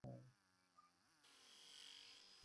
কখনো কখনো দিশা মেলে না।